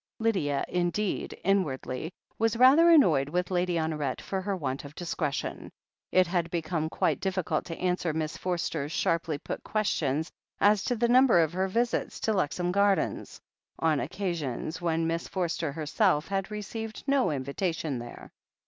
Lydia indeed, inwardly, was rather annoyed with Lady Honoret for her want of discretion. It had be come quite difficult to answer Miss Forster's sharply put questions as to the number of her visits to Lexham Gardens, on occasions when Miss Forster herself had received no invitation there.